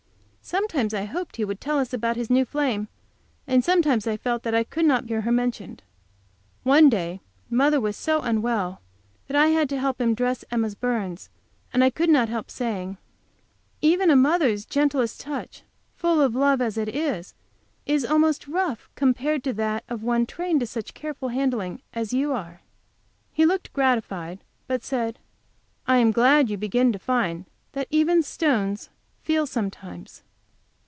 Sometimes I hoped he would tell us about his new flame, and sometimes I felt that I could not hear her mentioned. One day mother was so unwell that I had to help him dress Emma's burns, and I could not help saying: "Even a mother's gentlest touch, full of love as it is, is almost rough compared with that of one trained to such careful handling as you are." He looked gratified, but said: "I am glad you begin to find that even stones feel, sometimes."